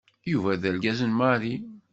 Yuba d argaz n Mary.